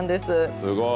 すごい。